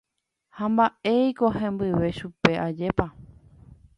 Ha mba'éiko hembyve chupe, ajépa.